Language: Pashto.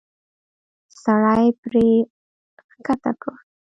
سړی پړی کښته کړ.